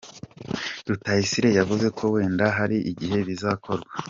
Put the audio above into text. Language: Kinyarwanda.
Rutayisire yavuze ko wenda hari igihe bizakorwa.